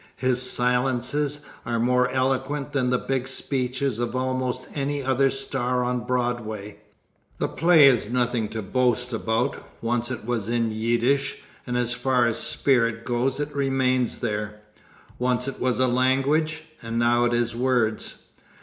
His silences are more eloquent than the big speeches of almost any other star on Broadway. The play is nothing to boast about. Once it was in Yiddish, and as far as spirit goes it remains there. Once it was a language, and now it is words.